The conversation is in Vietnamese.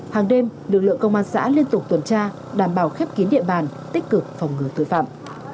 hàng đêm lực lượng công an xã liên tục tuần tra đảm bảo khép kín địa bàn tích cực phòng ngừa tội phạm